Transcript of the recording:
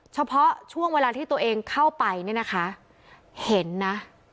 เฉพาะช่วงเวลาที่ตัวเองเข้าไปเนี่ยนะคะเห็นนะ